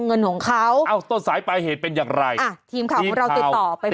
เงินของเขาต้นสายปลายเหตุเป็นอย่างไรอ่ะทีมของเราติดต่อ